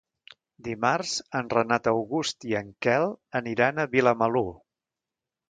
Dimarts en Renat August i en Quel aniran a Vilamalur.